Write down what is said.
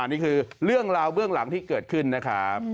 นี่คือเรื่องราวเบื้องหลังที่เกิดขึ้นนะครับ